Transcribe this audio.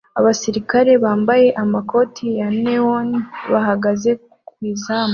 Abasirikare bambaye amakoti ya neon bahagaze ku izamu